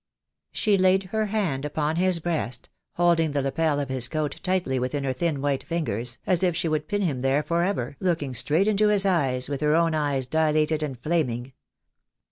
She laid her hand upon his breast, holding the lapel of his coat tightly with her thin white fingers, as if she would pin him there for ever, looking straight into his eyes, with her own eyes dilated and naming.